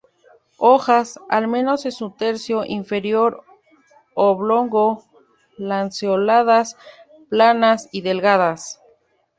Hojas, al menos en su tercio inferior oblongo-lanceoladas, planas y delgadas.